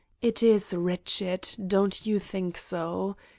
It is wretched. Don't you think so?